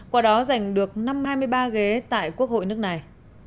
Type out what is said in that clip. qua đó giành được năm hai mươi ba ghế tại quốc hội nước này